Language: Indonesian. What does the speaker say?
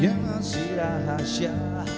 yang masih rahasia